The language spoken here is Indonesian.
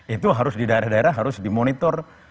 itu harus di daerah daerah harus dimonitor